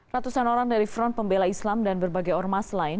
ratusan orang dari front pembela islam dan berbagai ormas lain